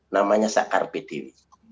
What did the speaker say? namanya sakar bdw